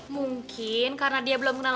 mungkin karena dia belum kenal